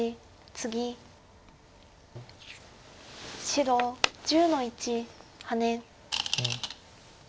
白１０の一ハネ。